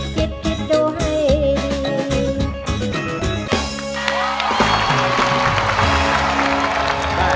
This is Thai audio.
คิดคิดดูให้ดี